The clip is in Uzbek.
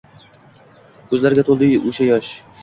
Ko’zlariga to’ldi o’sha she’r